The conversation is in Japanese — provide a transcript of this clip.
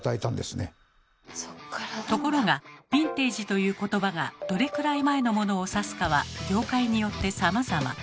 ところが「ヴィンテージ」という言葉がどれくらい前のモノを指すかは業界によってさまざま。